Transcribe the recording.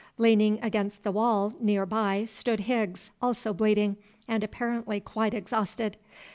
Leaning against the wall near by stood Higgs, also bleeding, and apparently quite exhausted.